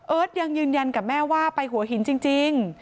ยังยืนยันกับแม่ว่าไปหัวหินจริง